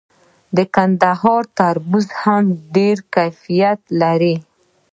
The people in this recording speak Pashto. د کندهار تربوز هم ډیر کیفیت لري.